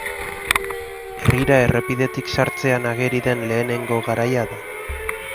Herrira errepidetik sartzean ageri den lehenengo garaia da.